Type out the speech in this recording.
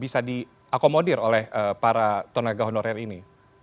bisa diakomodir oleh para tenaga honorer ini